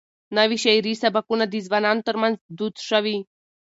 نوي شعري سبکونه د ځوانانو ترمنځ دود شوي.